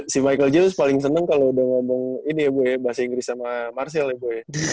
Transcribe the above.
si michael james paling seneng kalau udah ngomong bahasa inggris sama marcel ya bu